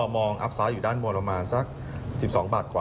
มองอับซ้าอยู่ด้านมูลละประมาณซัก๑๒๑๓บาท